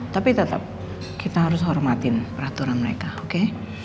tapi tetap kita harus hormatin peraturan mereka oke